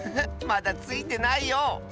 まだついてないよ。